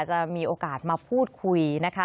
จะมีโอกาสมาพูดคุยนะคะ